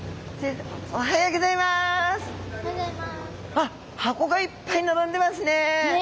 あっ箱がいっぱい並んでますね。